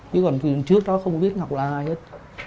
chứ còn trước đó không biết ngọc là ai hết